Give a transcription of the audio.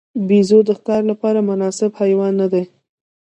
بیزو د ښکار لپاره مناسب حیوان نه دی.